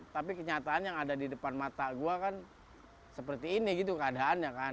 tapi kenyataan yang ada di depan mata gue kan seperti ini gitu keadaannya kan